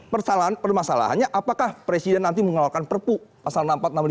pertama salahannya apakah presiden nanti mengawalkan perpu pasal enam puluh empat enam puluh lima enam puluh enam